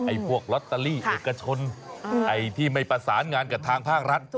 พวกลอตเตอรี่เอกชนไอ้ที่ไม่ประสานงานกับทางภาครัฐ